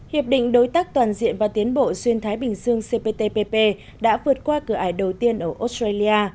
hiệp định đối tác toàn diện và tiến bộ xuyên thái bình dương cptpp đã vượt qua cửa ải đầu tiên ở australia